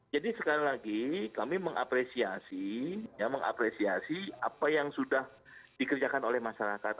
jadi sekali lagi kami mengapresiasi apa yang sudah dikerjakan oleh masyarakat